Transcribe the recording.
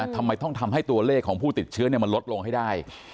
ทำไมต้องทำให้ตัวเลขของผู้ติดเชื้อมันลดลงให้ได้